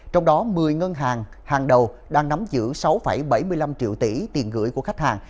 trong đó một mươi ngân hàng hàng đầu đang nắm giữ sáu bảy mươi năm triệu tỷ tiền gửi của khách hàng